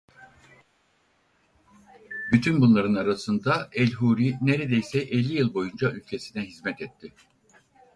Bütün bunların arasında el-Huri neredeyse elli yıl boyunca ülkesine hizmet etti.